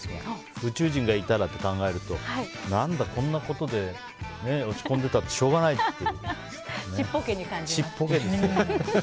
宇宙人がいたらって考えると何だ、こんなことで落ち込んでたってちっぽけに感じますね。